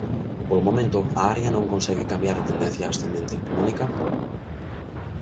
Polo momento, a área non consegue cambiar a tendencia ascendente, Mónica?